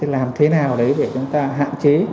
làm thế nào để chúng ta hạn chế